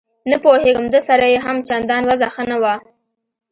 نه پوهېږم ده سره یې هم چندان وضعه ښه نه وه.